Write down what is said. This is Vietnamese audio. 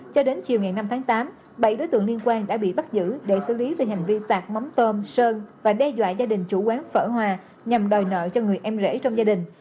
cho đến chiều ngày năm tháng tám bảy đối tượng liên quan đã bị bắt giữ để xử lý về hành vi sạc mắm tôm sơn và đe dọa gia đình chủ quán phở hòa nhằm đòi nợ cho người em rể trong gia đình